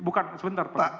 bukan sebentar pak